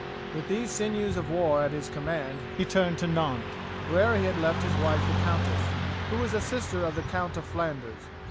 With these sinews of war at his command he turned to Nantes, where he had left his wife the countess, who was a sister of the Count of Flanders.